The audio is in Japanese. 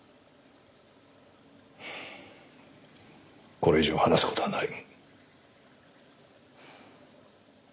これ以上話す事はない。